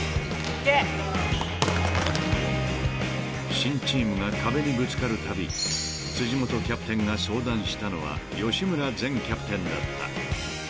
［新チームが壁にぶつかるたび辻本キャプテンが相談したのは吉村前キャプテンだった］